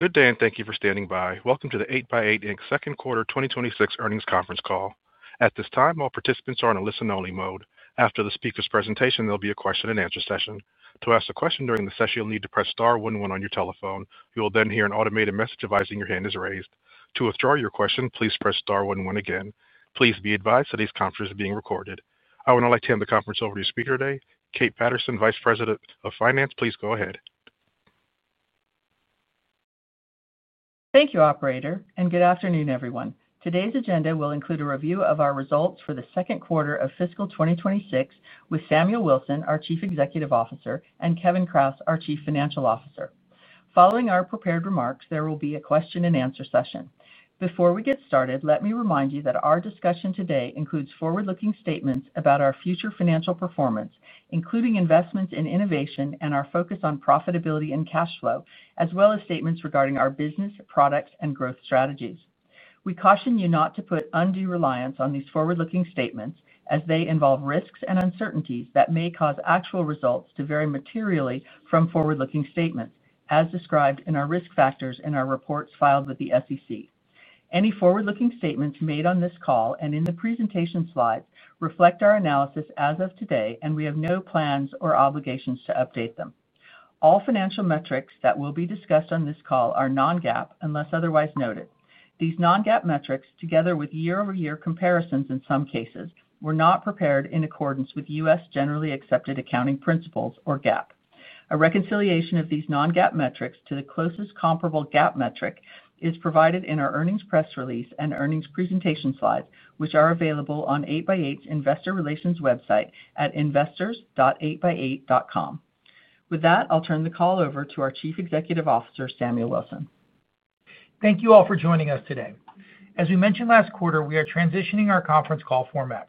Good day, and thank you for standing by. Welcome to the 8x8, Inc. second quarter 2026 earnings conference call. At this time, all participants are in a listen-only mode. After the speaker's presentation, there'll be a question-and-answer session. To ask a question during the session, you'll need to press star 11 on your telephone. You will then hear an automated message advising your hand is raised. To withdraw your question, please press star 11 again. Please be advised that this conference is being recorded. I would now like to hand the conference over to your speaker today, Kate Patterson, Vice President of Finance. Please go ahead. Thank you, Operator, and good afternoon, everyone. Today's agenda will include a review of our results for the second quarter of fiscal 2026 with Samuel Wilson, our Chief Executive Officer, and Kevin Kraus, our Chief Financial Officer. Following our prepared remarks, there will be a question-and-answer session. Before we get started, let me remind you that our discussion today includes forward-looking statements about our future financial performance, including investments in innovation and our focus on profitability and cash flow, as well as statements regarding our business, products, and growth strategies. We caution you not to put undue reliance on these forward-looking statements, as they involve risks and uncertainties that may cause actual results to vary materially from forward-looking statements, as described in our risk factors in our reports filed with the SEC. Any forward-looking statements made on this call and in the presentation slides reflect our analysis as of today, and we have no plans or obligations to update them. All financial metrics that will be discussed on this call are non-GAAP unless otherwise noted. These non-GAAP metrics, together with year-over-year comparisons in some cases, were not prepared in accordance with U.S. generally accepted accounting principles or GAAP. A reconciliation of these non-GAAP metrics to the closest comparable GAAP metric is provided in our earnings press release and earnings presentation slides, which are available on 8x8's Investor Relations website at investors.8x8.com. With that, I'll turn the call over to our Chief Executive Officer, Samuel Wilson. Thank you all for joining us today. As we mentioned last quarter, we are transitioning our conference call format.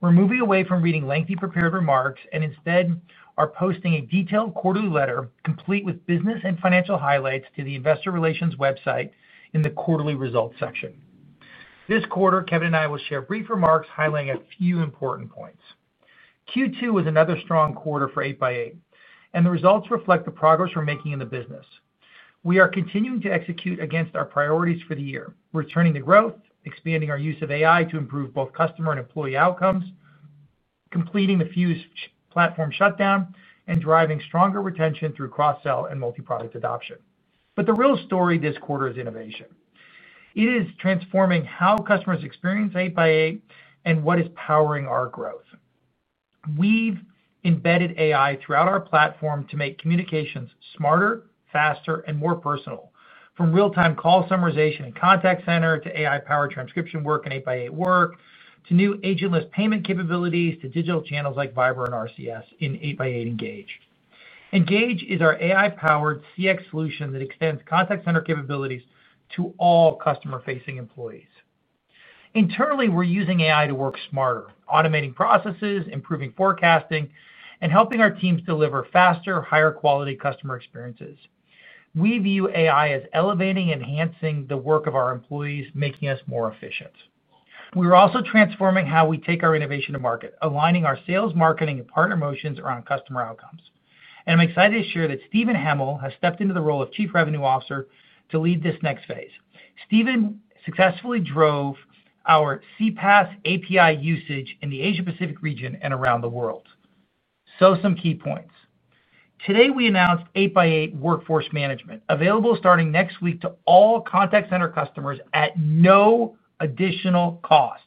We're moving away from reading lengthy prepared remarks and instead are posting a detailed quarterly letter complete with business and financial highlights to the Investor Relations website in the quarterly results section. This quarter, Kevin and I will share brief remarks highlighting a few important points. Q2 was another strong quarter for 8x8, and the results reflect the progress we're making in the business. We are continuing to execute against our priorities for the year, returning to growth, expanding our use of AI to improve both customer and employee outcomes. Completing the Fuze platform shutdown, and driving stronger retention through cross-sell and multi-product adoption. But the real story this quarter is innovation. It is transforming how customers experience 8x8 and what is powering our growth. We've embedded AI throughout our platform to make communications smarter, faster, and more personal, from real-time call summarization in Contact Center to AI-powered transcription work in 8x8 Work, to new agentless payment capabilities to digital channels like Viber and RCS in 8x8 Engage. Engage is our AI-powered CX solution that extends Contact Center capabilities to all customer-facing employees. Internally, we're using AI to work smarter, automating processes, improving forecasting, and helping our teams deliver faster, higher-quality customer experiences. We view AI as elevating and enhancing the work of our employees, making us more efficient. We are also transforming how we take our innovation to market, aligning our sales, marketing, and partner motions around customer outcomes. And I'm excited to share that Stephen Hamill has stepped into the role of Chief Revenue Officer to lead this next phase. Stephen successfully drove our CPaaS API usage in the Asia-Pacific region and around the world. So some key points. Today, we announced 8x8 Workforce Management, available starting next week to all Contact Center customers at no additional cost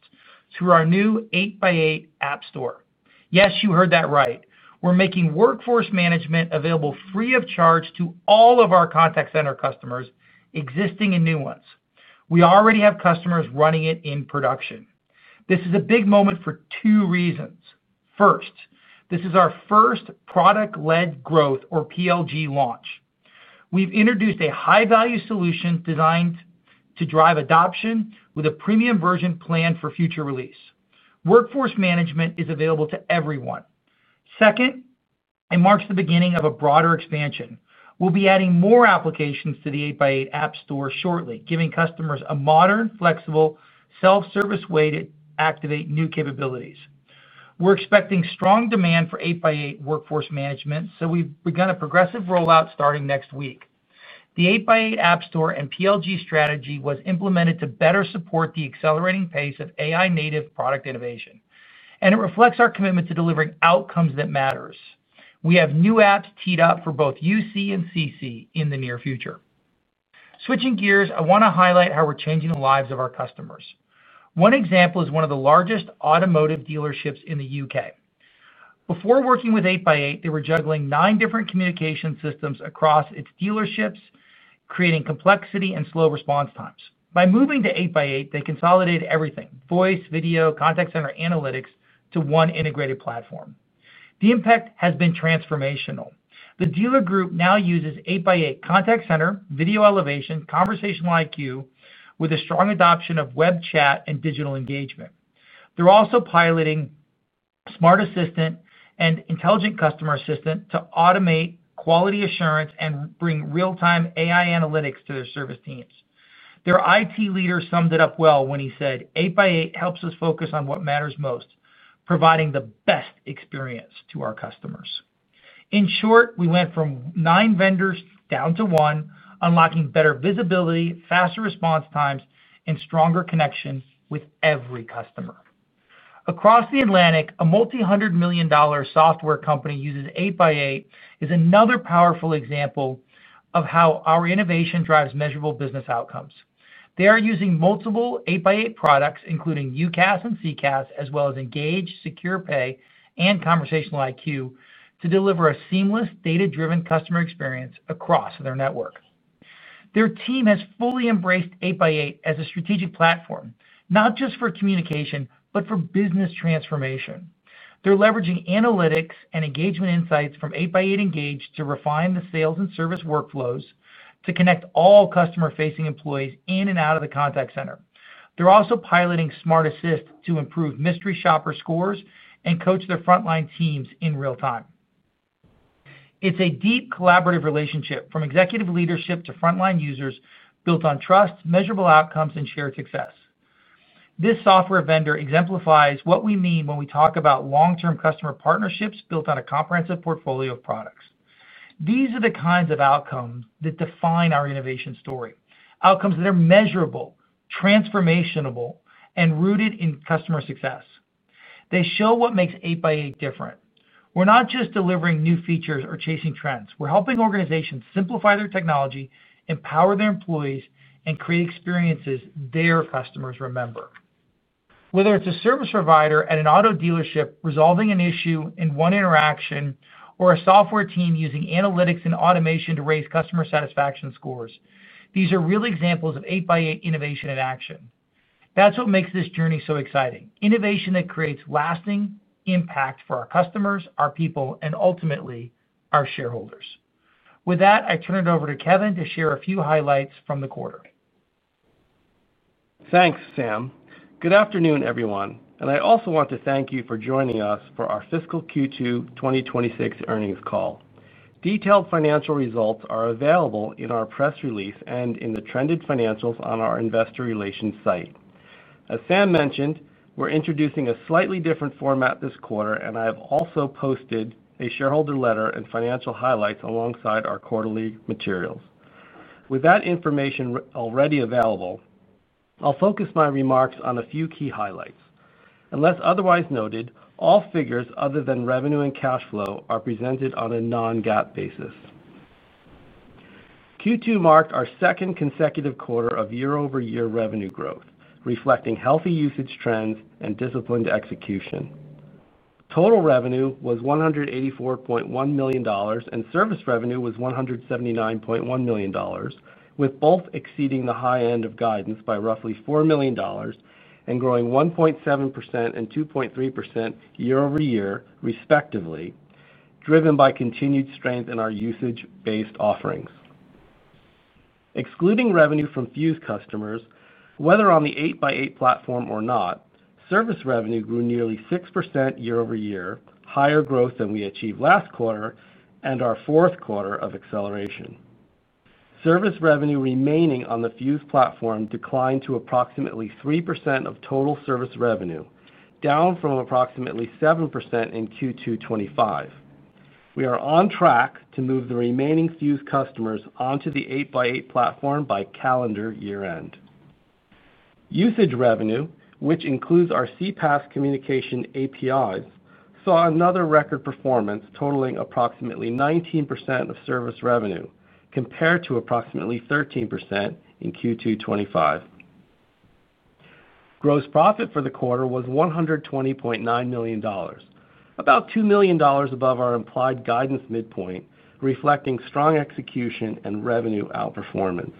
through our new 8x8 App Store. Yes, you heard that right. We're making Workforce Management available free of charge to all of our Contact Center customers, existing and new ones. We already have customers running it in production. This is a big moment for two reasons. First, this is our first product-led growth or PLG launch. We've introduced a high-value solution designed to drive adoption, with a premium version planned for future release. Workforce Management is available to everyone. Second. It marks the beginning of a broader expansion. We'll be adding more applications to the 8x8 App Store shortly, giving customers a modern, flexible, self-service way to activate new capabilities. We're expecting strong demand for 8x8 Workforce Management, so we've begun a progressive rollout starting next week. The 8x8 App Store and PLG strategy was implemented to better support the accelerating pace of AI-native product innovation, and it reflects our commitment to delivering outcomes that matter. We have new apps teed up for both UC and CC in the near future. Switching gears, I want to highlight how we're changing the lives of our customers. One example is one of the largest automotive dealerships in the U.K. Before working with 8x8, they were juggling nine different communication systems across its dealerships, creating complexity and slow response times. By moving to 8x8, they consolidated everything: voice, video, Contact Center analytics to one integrated platform. The impact has been transformational. The dealer group now uses 8x8 Contact Center, video elevation, Conversational IQ, with a strong adoption of web chat and digital engagement. They're also piloting Smart Assistant and Intelligent Customer Assistant to automate quality assurance and bring real-time AI analytics to their service teams. Their IT leader summed it up well when he said, "8x8 helps us focus on what matters most, providing the best experience to our customers." In short, we went from nine vendors down to one, unlocking better visibility, faster response times, and stronger connection with every customer. Across the Atlantic, a multi-hundred-million-dollar software company using 8x8 is another powerful example of how our innovation drives measurable business outcomes. They are using multiple 8x8 products, including UCaaS and CCaaS, as well as 8x8 Engage, Secure Pay, and Conversational IQ, to deliver a seamless, data-driven customer experience across their network. Their team has fully embraced 8x8 as a strategic platform, not just for communication, but for business transformation. They're leveraging analytics and engagement insights from 8x8 Engage to refine the sales and service workflows to connect all customer-facing employees in and out of the Contact Center. They're also piloting Smart Assist to improve mystery shopper scores and coach their frontline teams in real time. It's a deep collaborative relationship from executive leadership to frontline users, built on trust, measurable outcomes, and shared success. This software vendor exemplifies what we mean when we talk about long-term customer partnerships built on a comprehensive portfolio of products. These are the kinds of outcomes that define our innovation story: outcomes that are measurable, transformational, and rooted in customer success. They show what makes 8x8 different. We're not just delivering new features or chasing trends. We're helping organizations simplify their technology, empower their employees, and create experiences their customers remember. Whether it's a service provider at an auto dealership resolving an issue in one interaction or a software team using analytics and automation to raise customer satisfaction scores, these are real examples of 8x8 innovation in action. That's what makes this journey so exciting: innovation that creates lasting impact for our customers, our people, and ultimately our shareholders. With that, I turn it over to Kevin to share a few highlights from the quarter. Thanks, Sam. Good afternoon, everyone. And I also want to thank you for joining us for our fiscal Q2 2026 earnings call. Detailed financial results are available in our press release and in the trended financials on our Investor Relations site. As Sam mentioned, we're introducing a slightly different format this quarter, and I have also posted a shareholder letter and financial highlights alongside our quarterly materials. With that information already available. I'll focus my remarks on a few key highlights. Unless otherwise noted, all figures other than revenue and cash flow are presented on a non-GAAP basis. Q2 marked our second consecutive quarter of year-over-year revenue growth, reflecting healthy usage trends and disciplined execution. Total revenue was $184.1 million, and service revenue was $179.1 million, with both exceeding the high end of guidance by roughly $4 million and growing 1.7% and 2.3% year-over-year, respectively, driven by continued strength in our usage-based offerings. Excluding revenue from Fuze customers, whether on the 8x8 Platform or not, service revenue grew nearly 6% year-over-year, higher growth than we achieved last quarter, and our fourth quarter of acceleration. Service revenue remaining on the Fuze platform declined to approximately 3% of total service revenue, down from approximately 7% in Q2 2025. We are on track to move the remaining Fuze customers onto the 8x8 Platform by calendar year-end. Usage revenue, which includes our CPaaS communication APIs, saw another record performance totaling approximately 19% of service revenue, compared to approximately 13% in Q2 2025. Gross profit for the quarter was $120.9 million, about $2 million above our implied guidance midpoint, reflecting strong execution and revenue outperformance.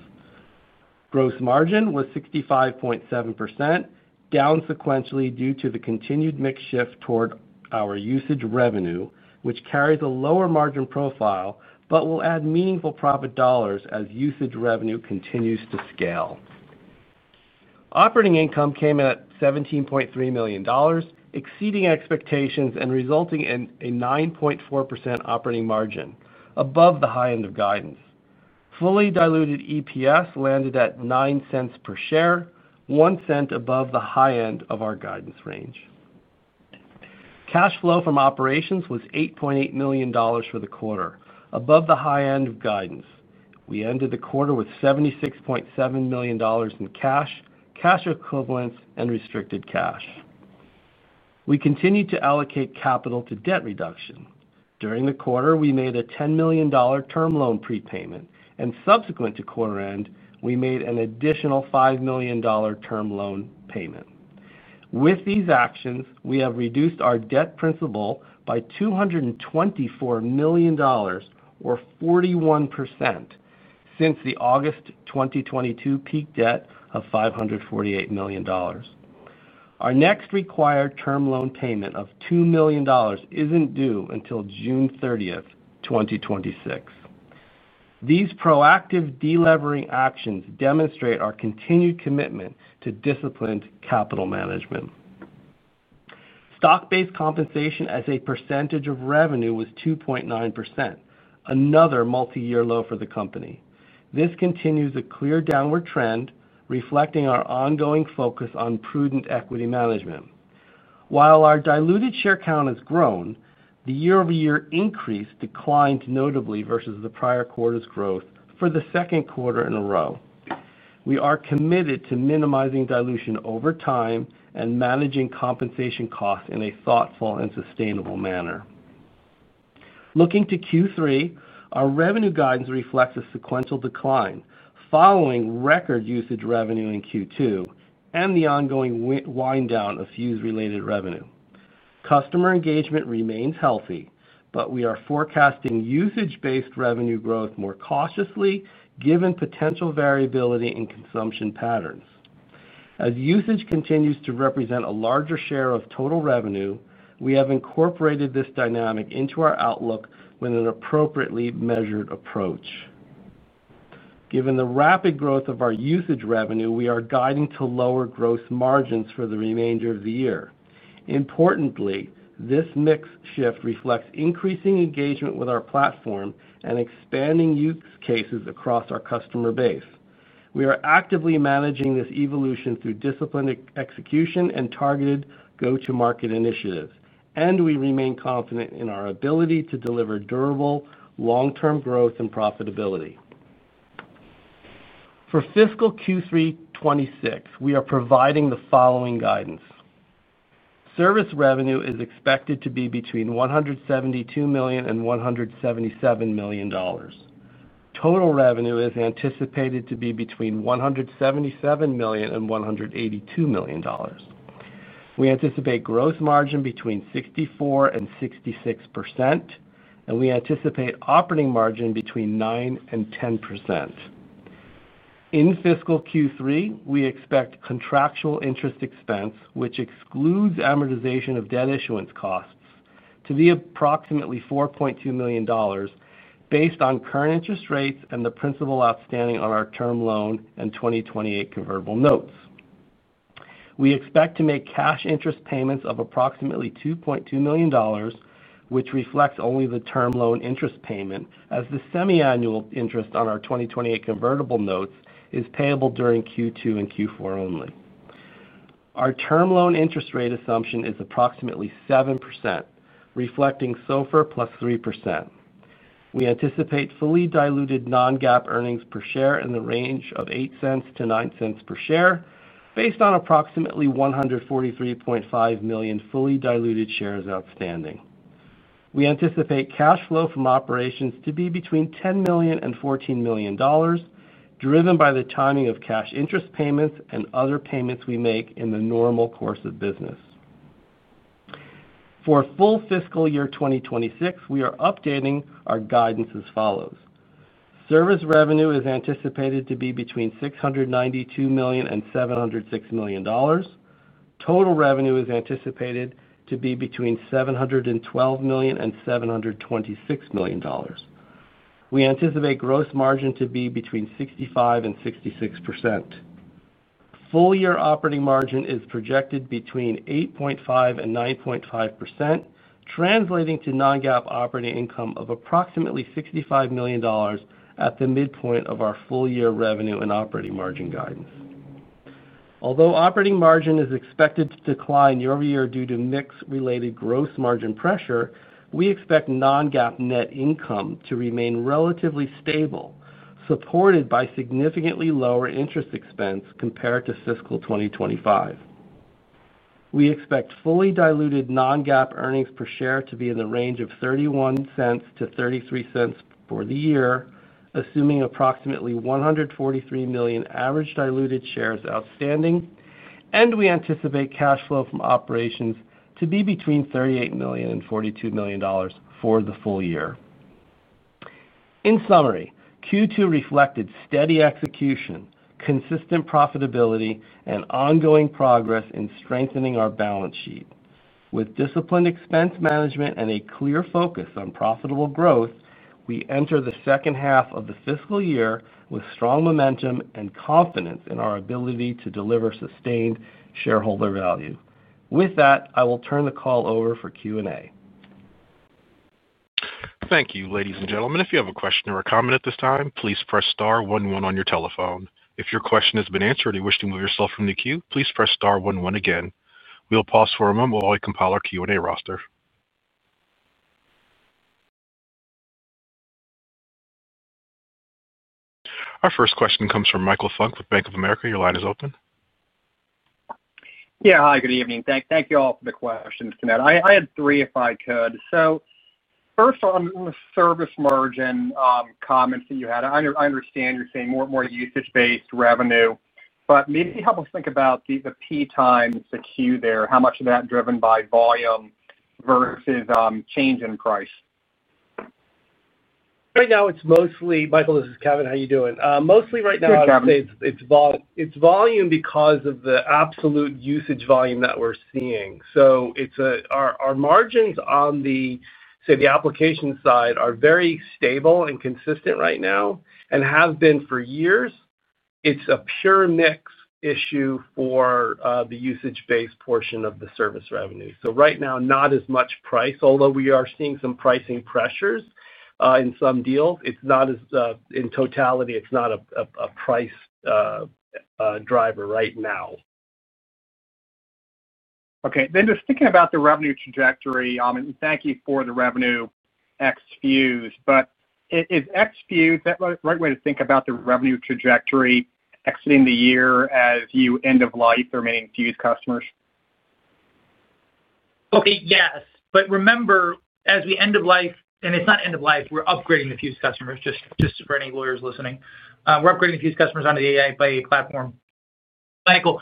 Gross margin was 65.7%, down sequentially due to the continued mix shift toward our usage revenue, which carries a lower margin profile but will add meaningful profit dollars as usage revenue continues to scale. Operating income came in at $17.3 million, exceeding expectations and resulting in a 9.4% operating margin, above the high end of guidance. Fully diluted EPS landed at $0.09 per share, $0.01 above the high end of our guidance range. Cash flow from operations was $8.8 million for the quarter, above the high end of guidance. We ended the quarter with $76.7 million in cash, cash equivalents, and restricted cash. We continued to allocate capital to debt reduction. During the quarter, we made a $10 million term loan prepayment, and subsequent to quarter end, we made an additional $5 million term loan payment. With these actions, we have reduced our debt principal by $224 million, or 41%. Since the August 2022 peak debt of $548 million. Our next required term loan payment of $2 million isn't due until June 30th, 2026. These proactive deleveraging actions demonstrate our continued commitment to disciplined capital management. Stock-based compensation as a percentage of revenue was 2.9%, another multi-year low for the company. This continues a clear downward trend, reflecting our ongoing focus on prudent equity management. While our diluted share count has grown, the year-over-year increase declined notably versus the prior quarter's growth for the second quarter in a row. We are committed to minimizing dilution over time and managing compensation costs in a thoughtful and sustainable manner. Looking to Q3, our revenue guidance reflects a sequential decline following record usage revenue in Q2 and the ongoing wind down of Fuze-related revenue. Customer engagement remains healthy, but we are forecasting usage-based revenue growth more cautiously, given potential variability in consumption patterns. As usage continues to represent a larger share of total revenue, we have incorporated this dynamic into our outlook with an appropriately measured approach. Given the rapid growth of our usage revenue, we are guiding to lower gross margins for the remainder of the year. Importantly, this mix shift reflects increasing engagement with our platform and expanding use cases across our customer base. We are actively managing this evolution through disciplined execution and targeted go-to-market initiatives, and we remain confident in our ability to deliver durable, long-term growth and profitability. For fiscal Q3 2026, we are providing the following guidance. Service revenue is expected to be between $172 million and $177 million. Total revenue is anticipated to be between $177 million and $182 million. We anticipate gross margin between 64% and 66%. And we anticipate operating margin between 9% and 10%. In fiscal Q3, we expect contractual interest expense, which excludes amortization of debt issuance costs, to be approximately $4.2 million. Based on current interest rates and the principal outstanding on our term loan and 2028 convertible notes. We expect to make cash interest payments of approximately $2.2 million, which reflects only the term loan interest payment, as the semi-annual interest on our 2028 convertible notes is payable during Q2 and Q4 only. Our term loan interest rate assumption is approximately 7%, reflecting SOFR plus 3%. We anticipate fully diluted non-GAAP earnings per share in the range of $0.08 to $0.09 per share, based on approximately 143.5 million fully diluted shares outstanding. We anticipate cash flow from operations to be between $10 million and $14 million, driven by the timing of cash interest payments and other payments we make in the normal course of business. For full fiscal year 2026, we are updating our guidance as follows. Service revenue is anticipated to be between $692 million and $706 million. Total revenue is anticipated to be between $712 million and $726 million. We anticipate gross margin to be between 65% and 66%. Full year operating margin is projected between 8.5% and 9.5%. Translating to non-GAAP operating income of approximately $65 million at the midpoint of our full year revenue and operating margin guidance. Although operating margin is expected to decline year-over-year due to mix-related gross margin pressure, we expect non-GAAP net income to remain relatively stable, supported by significantly lower interest expense compared to fiscal 2025. We expect fully diluted Non-GAAP earnings per share to be in the range of $0.31-$0.33 for the year, assuming approximately 143 million average diluted shares outstanding. And we anticipate cash flow from operations to be between $38 million and $42 million for the full year. In summary, Q2 reflected steady execution, consistent profitability, and ongoing progress in strengthening our balance sheet. With disciplined expense management and a clear focus on profitable growth, we enter the second half of the fiscal year with strong momentum and confidence in our ability to deliver sustained shareholder value. With that, I will turn the call over for Q&A. Thank you, ladies and gentlemen. If you have a question or a comment at this time, please press star one one on your telephone. If your question has been answered or you wish to move yourself from the queue, please press star one one again. We'll pause for a moment while we compile our Q&A roster. Our first question comes from Michael Funk with Bank of America. Your line is open. Yeah, hi, good evening. Thank you all for the questions, Kevin. I had three if I could. So first on the service margin comments that you had, I understand you're saying more usage-based revenue, but maybe help us think about the P times the queue there. How much of that driven by volume versus change in price? Right now, it's mostly, Michael. This is Kevin. How are you doing? Mostly right now, I would say it's volume because of the absolute usage volume that we're seeing. So our margins on the, say, the application side are very stable and consistent right now and have been for years. It's a pure mix issue for the usage-based portion of the service revenue. So right now, not as much price, although we are seeing some pricing pressures in some deals. In totality, it's not a price driver right now. Okay. Then just thinking about the revenue trajectory, and thank you for the revenue ex-Fuze, but is ex-Fuze the right way to think about the revenue trajectory exiting the year as you end of life remaining Fuze customers? Okay, yes. But remember, as we end of life - and it's not end of life - we're upgrading the Fuze customers, just for any lawyers listening. We're upgrading the Fuze customers onto the 8x8 Platform. Michael,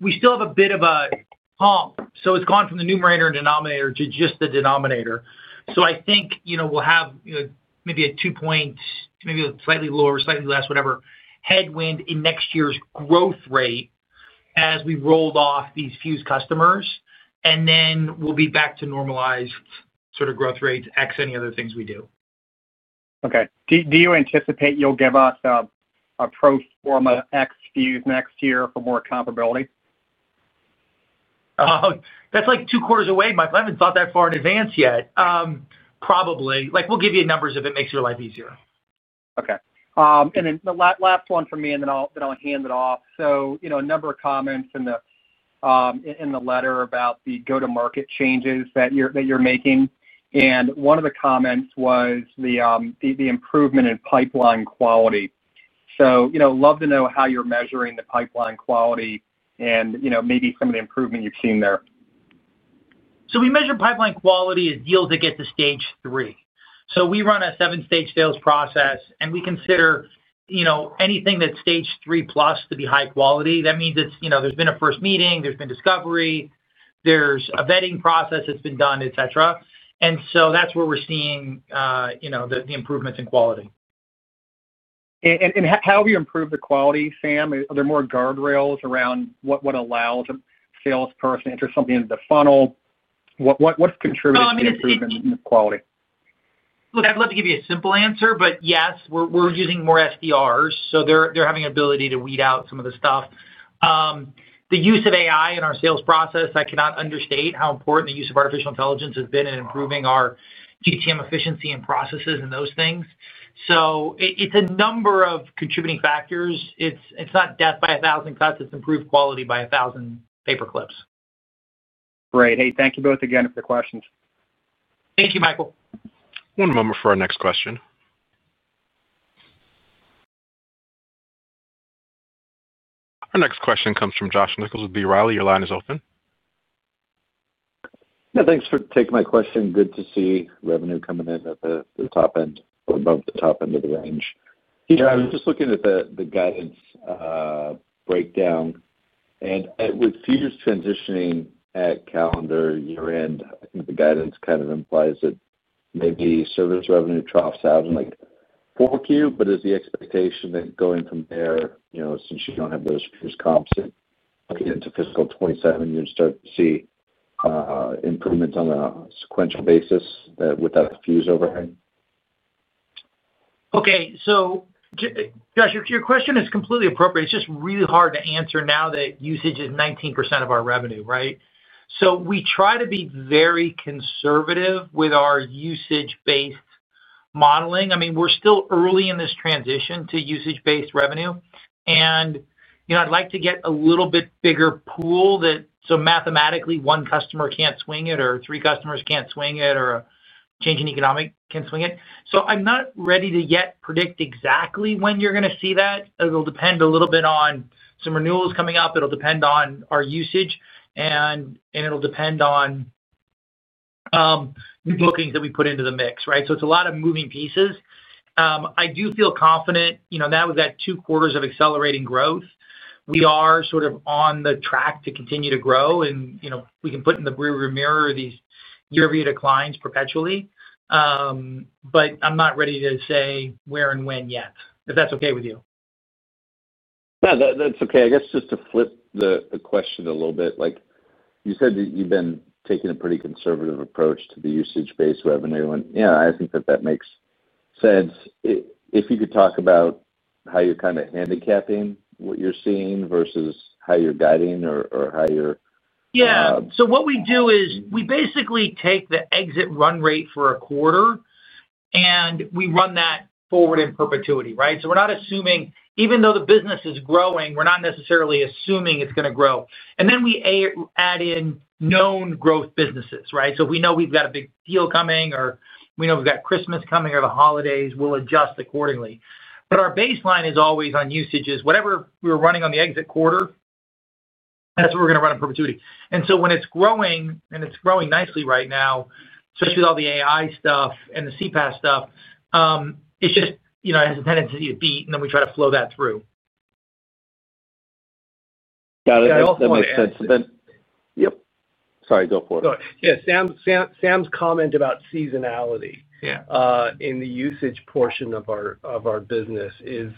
we still have a bit of a hump. So it's gone from the numerator and denominator to just the denominator. So I think we'll have maybe a two-point, maybe a slightly lower, slightly less, whatever, headwind in next year's growth rate as we roll off these Fuze customers. And then we'll be back to normalized sort of growth rates ex any other things we do. Okay. Do you anticipate you'll give us a pro forma ex-Fuze next year for more comparability? That's like two quarters away, Michael. I haven't thought that far in advance yet. Probably. We'll give you numbers if it makes your life easier. Okay. And then the last one from me, and then I'll hand it off. So a number of comments in the letter about the go-to-market changes that you're making. And one of the comments was the improvement in pipeline quality. So love to know how you're measuring the pipeline quality and maybe some of the improvement you've seen there. So we measure pipeline quality as deals that get to stage three. So we run a seven-stage sales process, and we consider anything that's stage three plus to be high quality. That means there's been a first meeting, there's been discovery, there's a vetting process that's been done, etc. And so that's where we're seeing the improvements in quality. How have you improved the quality, Sam? Are there more guardrails around what allows a salesperson to enter something into the funnel? What's contributing to the improvement in quality? Look, I'd love to give you a simple answer, but yes, we're using more SDRs. So they're having an ability to weed out some of the stuff. The use of AI in our sales process, I cannot understate how important the use of artificial intelligence has been in improving our GTM efficiency and processes and those things. So it's a number of contributing factors. It's not death by a thousand cuts. It's improved quality by a thousand paperclips. Great. Hey, thank you both again for the questions. Thank you, Michael. One moment for our next question. Our next question comes from Josh Nichols with B. Riley. Your line is open. Yeah, thanks for taking my question. Good to see revenue coming in at the top end or above the top end of the range. Yeah, I was just looking at the guidance breakdown. And with Fuze transitioning at calendar year-end, I think the guidance kind of implies that maybe service revenue troughs out in like 4Q, but is the expectation that going from there, since you don't have those Fuze comps that get into fiscal 2027, you'd start to see improvements on a sequential basis without the Fuze overhang? Okay. So. Josh, your question is completely appropriate. It's just really hard to answer now that usage is 19% of our revenue, right? So we try to be very conservative with our usage-based modeling. I mean, we're still early in this transition to usage-based revenue. And I'd like to get a little bit bigger pool that, so mathematically, one customer can't swing it, or three customers can't swing it, or a change in economic can swing it. So I'm not ready to yet predict exactly when you're going to see that. It'll depend a little bit on some renewals coming up. It'll depend on our usage, and it'll depend on new bookings that we put into the mix, right? So it's a lot of moving pieces. I do feel confident that we've got two quarters of accelerating growth. We are sort of on the track to continue to grow. And we can put in the rearview mirror these year-over-year declines perpetually. But I'm not ready to say where and when yet, if that's okay with you. No, that's okay. I guess just to flip the question a little bit, you said that you've been taking a pretty conservative approach to the usage-based revenue, and yeah, I think that that makes sense. If you could talk about how you're kind of handicapping what you're seeing versus how you're guiding or how you're... Yeah. So what we do is we basically take the exit run rate for a quarter, and we run that forward in perpetuity, right? So we're not assuming, even though the business is growing, we're not necessarily assuming it's going to grow, and then we add in known growth businesses, right? So if we know we've got a big deal coming, or we know we've got Christmas coming, or the holidays, we'll adjust accordingly, but our baseline is always on usages. Whatever we're running on the exit quarter. That's what we're going to run in perpetuity, and so when it's growing, and it's growing nicely right now, especially with all the AI stuff and the CPaaS stuff. It's just it has a tendency to beat, and then we try to flow that through. Got it. That makes sense. Yep. Sorry, go for it. Yeah. Sam's comment about seasonality in the usage portion of our business is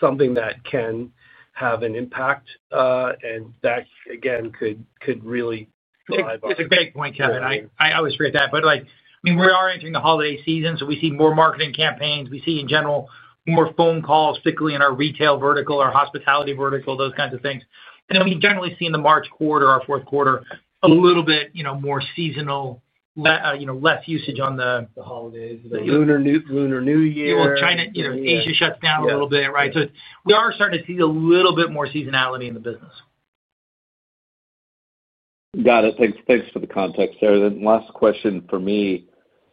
something that can have an impact, and that, again, could really drive our... It's a great point, Kevin. I always forget that. But I mean, we are entering the holiday season, so we see more marketing campaigns. We see, in general, more phone calls, particularly in our retail vertical, our hospitality vertical, those kinds of things. And then we generally see in the March quarter, our fourth quarter, a little bit more seasonal. Less usage on the holidays. Lunar New Year. Asia shuts down a little bit, right? So we are starting to see a little bit more seasonality in the business. Got it. Thanks for the context there. Then last question for me.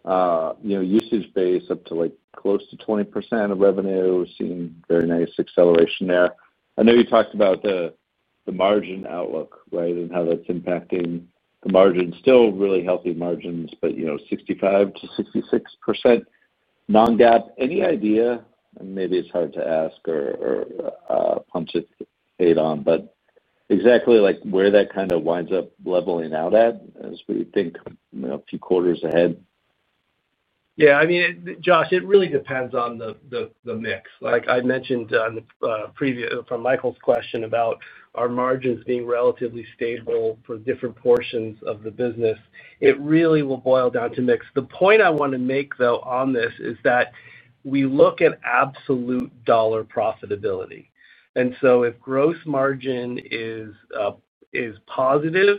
Usage-based up to close to 20% of revenue, seeing very nice acceleration there. I know you talked about the margin outlook, right, and how that's impacting the margin. Still really healthy margins, but 65%-66%. Non-GAAP, any idea? And maybe it's hard to ask or punt on it, but exactly where that kind of winds up leveling out at as we think a few quarters ahead. Yeah. I mean, Josh, it really depends on the mix. Like I mentioned from Michael's question about our margins being relatively stable for different portions of the business, it really will boil down to mix. The point I want to make, though, on this is that we look at absolute dollar profitability. And so if gross margin is positive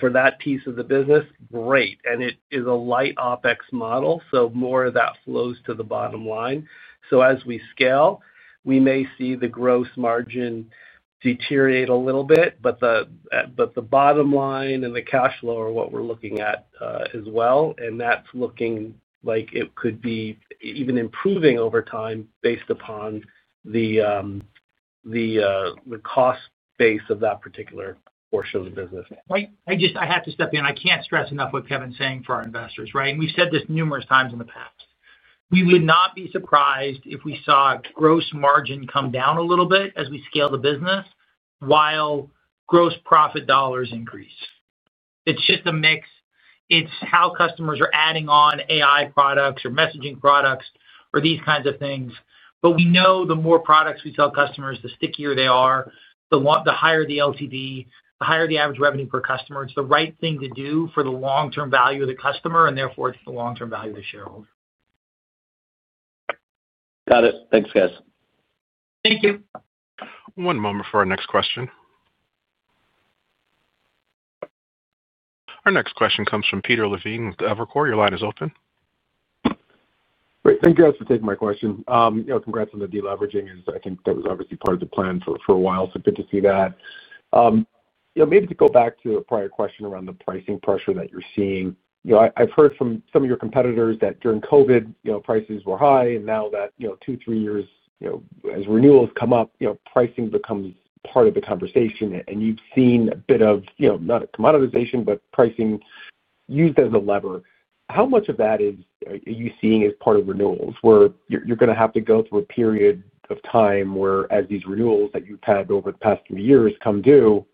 for that piece of the business, great. And it is a light OpEx model, so more of that flows to the bottom line. So as we scale, we may see the gross margin deteriorate a little bit, but the bottom line and the cash flow are what we're looking at as well. And that's looking like it could be even improving over time based upon the cost base of that particular portion of the business. I have to step in. I can't stress enough what Kevin's saying for our investors, right? And we've said this numerous times in the past. We would not be surprised if we saw gross margin come down a little bit as we scale the business. While gross profit dollars increase. It's just a mix. It's how customers are adding on AI products or messaging products or these kinds of things. But we know the more products we sell customers, the stickier they are, the higher the LTV, the higher the average revenue per customer. It's the right thing to do for the long-term value of the customer, and therefore it's the long-term value of the shareholder. Got it. Thanks, guys. Thank you. One moment for our next question. Our next question comes from Peter Levine with Evercore. Your line is open. Great. Thank you, guys, for taking my question. Congrats on the deleveraging. I think that was obviously part of the plan for a while, so good to see that. Maybe to go back to a prior question around the pricing pressure that you're seeing. I've heard from some of your competitors that during COVID, prices were high. And now that two, three years, as renewals come up, pricing becomes part of the conversation. And you've seen a bit of not a commoditization, but pricing used as a lever. How much of that are you seeing as part of renewals where you're going to have to go through a period of time where, as these renewals that you've had over the past three years come due,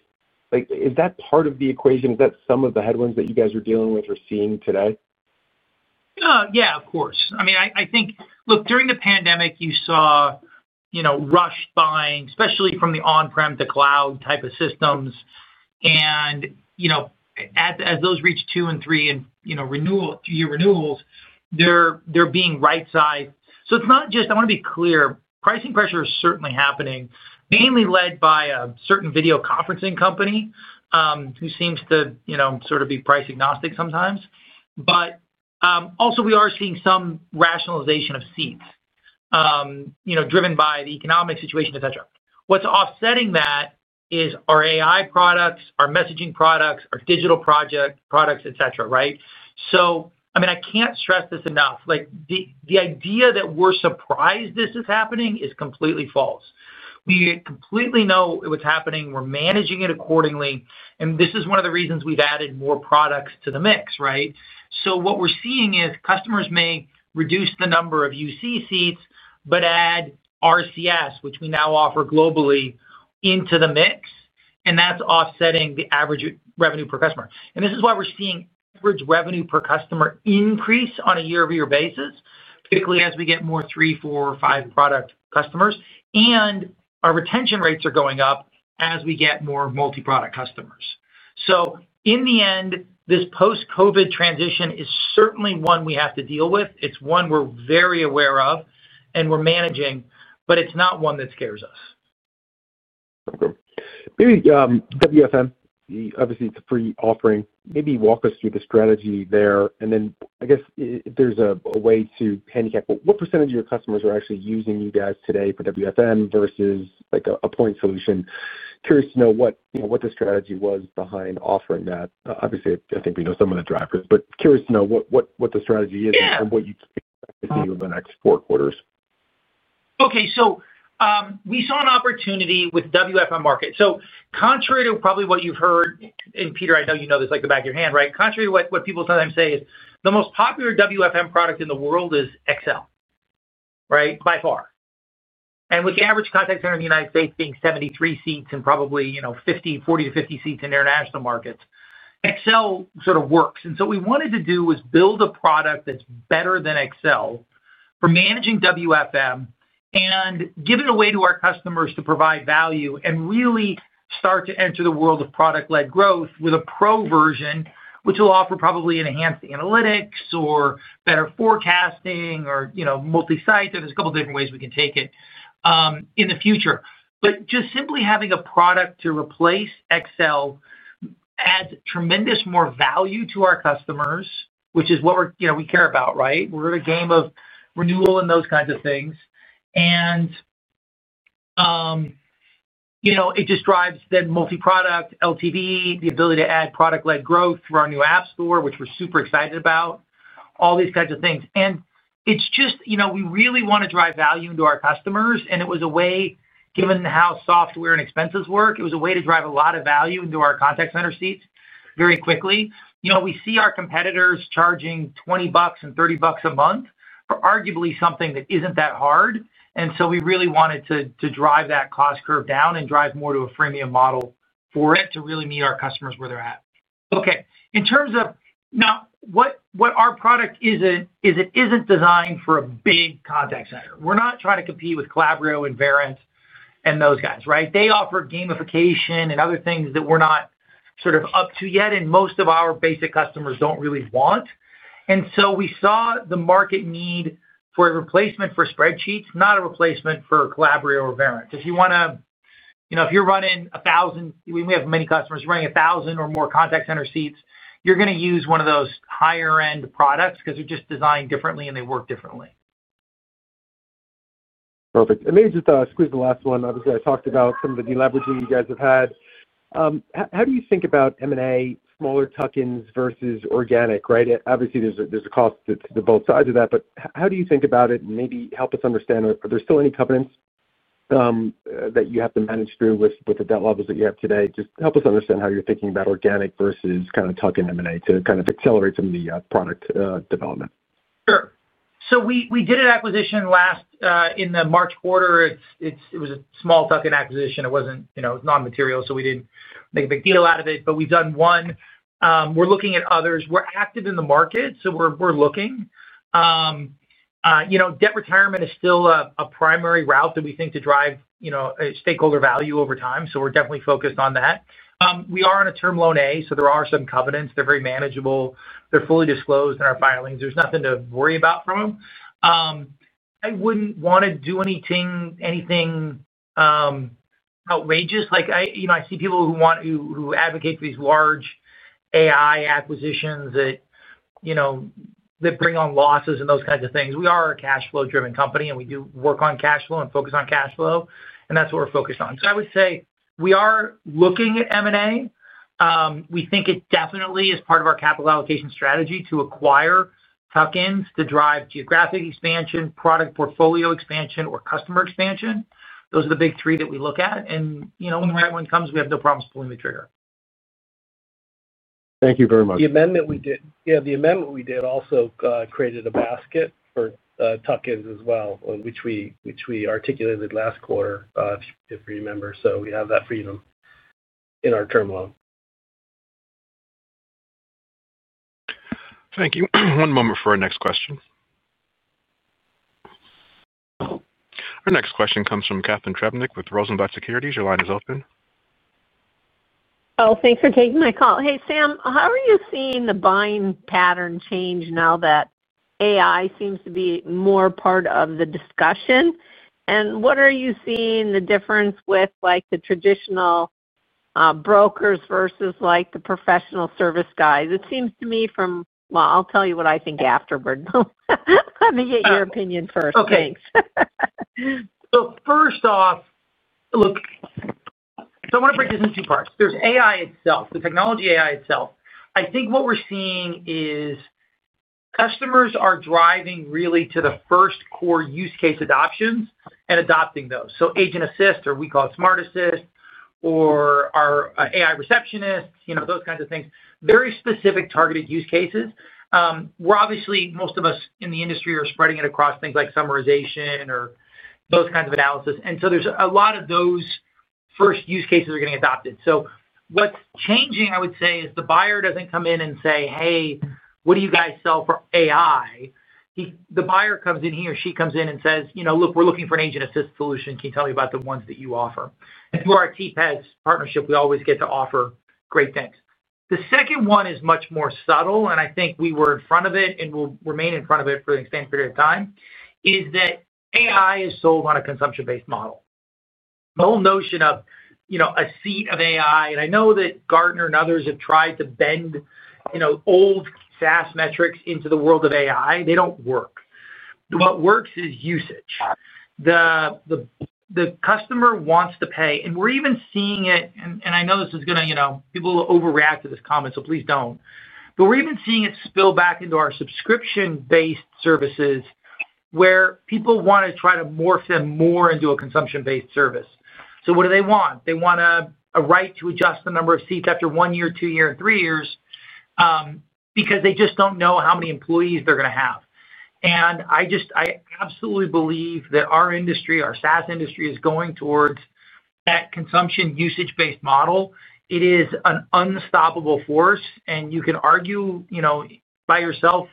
is that part of the equation? Is that some of the headwinds that you guys are dealing with or seeing today? Yeah, of course. I mean, I think, look, during the pandemic, you saw rushed buying, especially from the on-prem to cloud type of systems. And as those reach two- and three-year renewals, they're being right-sized. So it's not just, I want to be clear, pricing pressure is certainly happening, mainly led by a certain video conferencing company who seems to sort of be price agnostic sometimes. But also, we are seeing some rationalization of seats driven by the economic situation, etc. What's offsetting that is our AI products, our messaging products, our digital products, etc., right? So I mean, I can't stress this enough. The idea that we're surprised this is happening is completely false. We completely know what's happening. We're managing it accordingly. And this is one of the reasons we've added more products to the mix, right? So what we're seeing is customers may reduce the number of UC seats but add RCS, which we now offer globally, into the mix. And that's offsetting the average revenue per customer. And this is why we're seeing average revenue per customer increase on a year-over-year basis, particularly as we get more three, four, or five product customers. And our retention rates are going up as we get more multi-product customers. So in the end, this post-COVID transition is certainly one we have to deal with. It's one we're very aware of and we're managing, but it's not one that scares us. Okay. Maybe WFM, obviously, it's a free offering. Maybe walk us through the strategy there. And then I guess if there's a way to handicap, what percentage of your customers are actually using you guys today for WFM versus a point solution? Curious to know what the strategy was behind offering that. Obviously, I think we know some of the drivers, but curious to know what the strategy is and what you think is going to be the next four quarters. Okay. So we saw an opportunity with WFM market. So contrary to probably what you've heard, and Peter, I know you know this like the back of your hand, right?, contrary to what people sometimes say is the most popular WFM product in the world is Excel, right, by far. And with the average contact center in the United States being 73 seats and probably 40 to 50 seats in international markets, Excel sort of works. And so what we wanted to do was build a product that's better than Excel for managing WFM and give it away to our customers to provide value and really start to enter the world of product-led growth with a pro version, which will offer probably enhanced analytics or better forecasting or multi-site. There's a couple of different ways we can take it. In the future. But just simply having a product to replace Excel. Adds tremendous more value to our customers, which is what we care about, right? We're in a game of renewal and those kinds of things. And. It just drives then multi-product LTV, the ability to add product-led growth through our new app store, which we're super excited about. All these kinds of things. And it's just we really want to drive value into our customers. And it was a way, given how software and expenses work, it was a way to drive a lot of value into our contact center seats very quickly. We see our competitors charging 20 bucks and 30 bucks a month for arguably something that isn't that hard. And so we really wanted to drive that cost curve down and drive more to a freemium model for it to really meet our customers where they're at. Okay. Now. What our product is, it isn't designed for a big contact center. We're not trying to compete with Calabrio and Verint and those guys, right? They offer gamification and other things that we're not sort of up to yet, and most of our basic customers don't really want. And so we saw the market need for a replacement for spreadsheets, not a replacement for Calabrio or Verint. If you want to, if you're running 1,000, we have many customers running 1,000 or more contact center seats, you're going to use one of those higher-end products because they're just designed differently and they work differently. Perfect. And maybe just to squeeze the last one. Obviously, I talked about some of the deleveraging you guys have had. How do you think about M&A, smaller tuck-ins versus organic, right? Obviously, there's a cost to both sides of that. But how do you think about it and maybe help us understand, are there still any covenants that you have to manage through with the debt levels that you have today? Just help us understand how you're thinking about organic versus kind of tuck-in M&A to kind of accelerate some of the product development. Sure. So we did an acquisition last in the March quarter. It was a small tuck-in acquisition. It was non-material, so we didn't make a big deal out of it. But we've done one. We're looking at others. We're active in the market, so we're looking. Debt retirement is still a primary route that we think to drive stakeholder value over time. So we're definitely focused on that. We are on a term loan A, so there are some covenants. They're very manageable. They're fully disclosed in our filings. There's nothing to worry about from them. I wouldn't want to do anything outrageous. I see people who advocate for these large AI acquisitions that bring on losses and those kinds of things. We are a cash flow-driven company, and we do work on cash flow and focus on cash flow. And that's what we're focused on. So I would say we are looking at M&A. We think it definitely is part of our capital allocation strategy to acquire tuck-ins to drive geographic expansion, product portfolio expansion, or customer expansion. Those are the big three that we look at. And when the right one comes, we have no problems pulling the trigger. Thank you very much. Yeah. The amendment we did also created a basket for tuck-ins as well, which we articulated last quarter, if you remember. So we have that freedom in our term loan. Thank you. One moment for our next question. Our next question comes from Catharine Trebenik with Rosenblatt Securities. Your line is open. Oh, thanks for taking my call. Hey, Sam, how are you seeing the buying pattern change now that AI seems to be more part of the discussion? And what are you seeing the difference with the traditional brokers versus the professional service guys? It seems to me from, well, I'll tell you what I think afterward. Let me get your opinion first. Thanks. So first off. Look. So I want to break this into two parts. There's AI itself, the technology AI itself. I think what we're seeing is. Customers are driving really to the first core use case adoptions and adopting those. So agent assist, or we call it Smart Assist, or our AI receptionist, those kinds of things. Very specific targeted use cases. Obviously, most of us in the industry are spreading it across things like summarization or those kinds of analysis. And so there's a lot of those first use cases are getting adopted. So what's changing, I would say, is the buyer doesn't come in and say, "Hey, what do you guys sell for AI?" The buyer comes in, he or she comes in and says, "Look, we're looking for an agent-assist solution. Can you tell me about the ones that you offer?" And through our [TPEDS] partnership, we always get to offer great things. The second one is much more subtle, and I think we were in front of it and will remain in front of it for an extended period of time, is that AI is sold on a consumption-based model. The whole notion of a seat of AI, and I know that Gartner and others have tried to bend old SaaS metrics into the world of AI, they don't work. What works is usage. The customer wants to pay. And we're even seeing it, and I know this is going to, people will overreact to this comment, so please don't. But we're even seeing it spill back into our subscription-based services where people want to try to morph them more into a consumption-based service. So what do they want? They want a right to adjust the number of seats after one year, two years, and three years. Because they just don't know how many employees they're going to have. And I absolutely believe that our industry, our SaaS industry, is going towards that consumption-usage-based model. It is an unstoppable force. And you can argue by yourself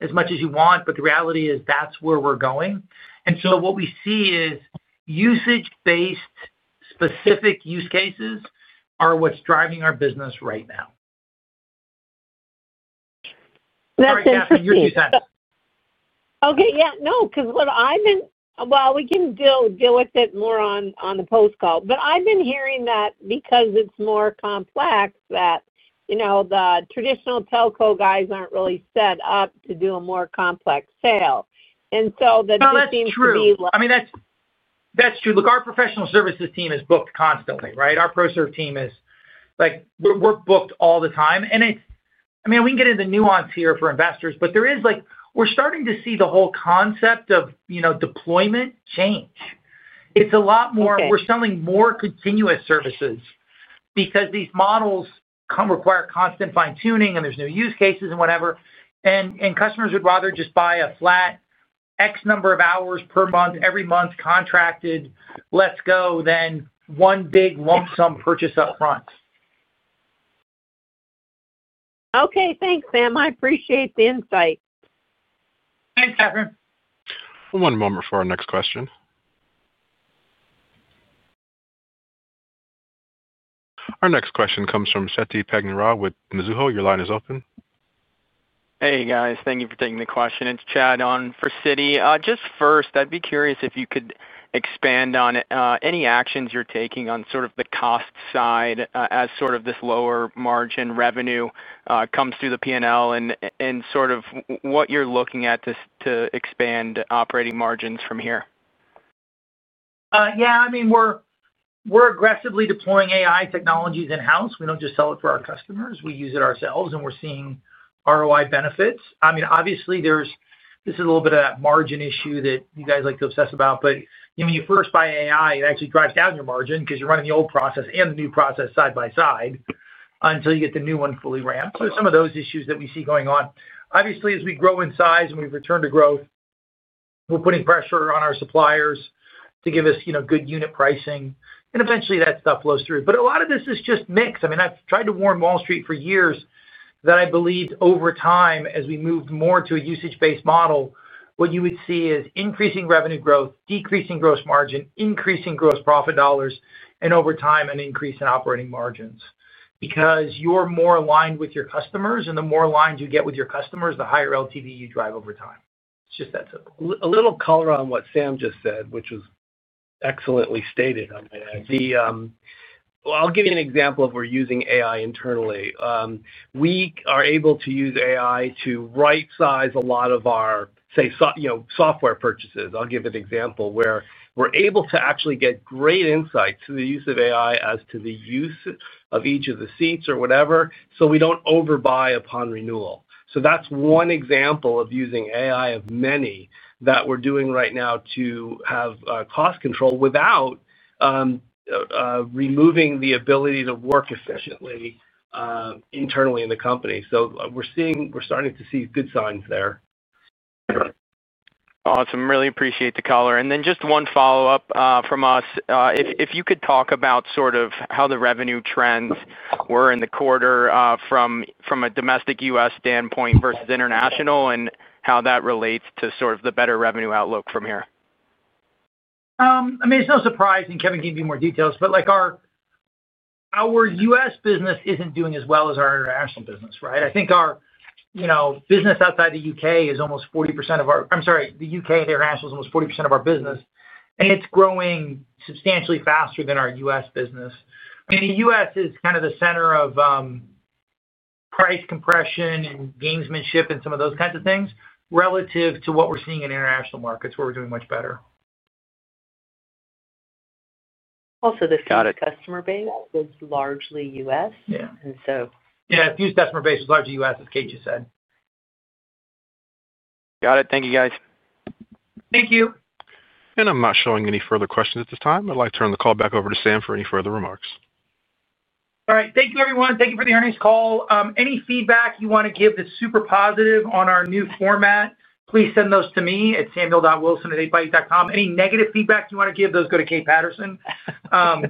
as much as you want, but the reality is that's where we're going. And so what we see is usage-based specific use cases are what's driving our business right now. That's interesting. Sorry, Catharine, Okay. Yeah. No, because what I've been - well, we can deal with it more on the post call. But I've been hearing that because it's more complex, that. The traditional Telco Guys aren't really set up to do a more complex sale. And so that just seems to be - No, that's true. I mean, that's true. Look, our professional services team is booked constantly, right? Our pro-serve team is. Booked all the time, and I mean, we can get into nuance here for investors, but we're starting to see the whole concept of deployment change. It's a lot more, we're selling more continuous services because these models require constant fine-tuning, and there's new use cases and whatever, and customers would rather just buy a flat X number of hours per month, every month contracted, let's go, than one big lump sum purchase upfront. Okay. Thanks, Sam. I appreciate the insight. Thanks, Catharine. One moment for our next question. Our next question comes from [Chetty Pegnara] with Mizuho. Your line is open. Hey, guys. Thank you for taking the question. It's Chad on for City. Just first, I'd be curious if you could expand on any actions you're taking on sort of the cost side as sort of this lower margin revenue comes through the P&L and sort of what you're looking at to expand operating margins from here. Yeah. I mean, we're aggressively deploying AI technologies in-house. We don't just sell it for our customers. We use it ourselves, and we're seeing ROI benefits. I mean, obviously, this is a little bit of that margin issue that you guys like to obsess about. But when you first buy AI, it actually drives down your margin because you're running the old process and the new process side by side until you get the new one fully ramped. So some of those issues that we see going on. Obviously, as we grow in size and we've returned to growth. We're putting pressure on our suppliers to give us good unit pricing. And eventually, that stuff flows through. But a lot of this is just mixed. I mean, I've tried to warn Wall Street for years that I believe over time, as we move more to a usage-based model, what you would see is increasing revenue growth, decreasing gross margin, increasing gross profit dollars, and over time, an increase in operating margins. Because you're more aligned with your customers, and the more aligned you get with your customers, the higher LTV you drive over time. It's just that simple. A little color on what Sam just said, which was excellently stated. I'll give you an example of where we're using AI internally. We are able to use AI to right-size a lot of our, say, software purchases. I'll give an example where we're able to actually get great insights to the use of AI as to the use of each of the seats or whatever, so we don't overbuy upon renewal. So that's one example of using AI of many that we're doing right now to have cost control without removing the ability to work efficiently internally in the company. So we're starting to see good signs there. Awesome. Really appreciate the color. And then just one follow-up from us. If you could talk about sort of how the revenue trends were in the quarter from a domestic U.S. standpoint versus international and how that relates to sort of the better revenue outlook from here? I mean, it's no surprise, and Kevin can give you more details, but our U.S. business isn't doing as well as our international business, right? I think our business outside the U.K. is almost 40% of our—I'm sorry, the U.K. and international is almost 40% of our business. And it's growing substantially faster than our U.S. business. And the U.S. is kind of the center of price compression and gamesmanship and some of those kinds of things relative to what we're seeing in international markets where we're doing much better. Also, this customer base is largely U.S., and so. Yeah. A huge customer base is largely U.S., as Kate just said. Got it. Thank you, guys. Thank you. I'm not showing any further questions at this time. I'd like to turn the call back over to Sam for any further remarks. All right. Thank you, everyone. Thank you for the earnings call. Any feedback you want to give that's super positive on our new format, please send those to me at samuel.wilson@8x8.com. Any negative feedback you want to give, those go to Kate Patterson. I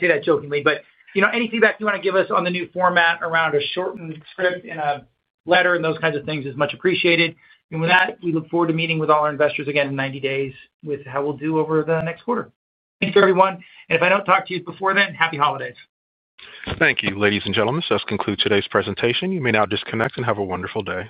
say that jokingly. But any feedback you want to give us on the new format around a short script and a letter and those kinds of things is much appreciated. And with that, we look forward to meeting with all our investors again in 90 days with how we'll do over the next quarter. Thank you, everyone. And if I don't talk to you before then, happy holidays. Thank you, ladies and gentlemen. This does conclude today's presentation. You may now disconnect and have a wonderful day.